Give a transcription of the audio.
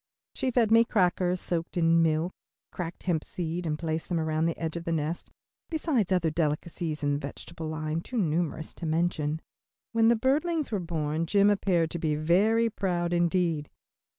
She fed me crackers soaked in milk, cracked hemp seeds and placed them around the edge of the nest, besides other delicacies in the vegetable line too numerous to mention. When the birdlings were born Jim appeared to be very proud indeed.